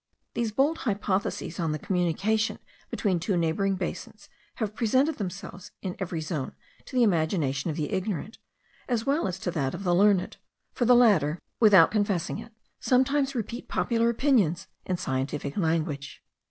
These bold hypotheses on the communication between two neighbouring basins have presented themselves in every zone to the imagination of the ignorant, as well as to that of the learned; for the latter, without confessing it, sometimes repeat popular opinions in scientific language.